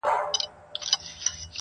واوری واوری شب پرستو سهرونه خبرومه,